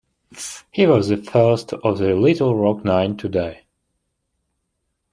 He was the first of the Little Rock Nine to die.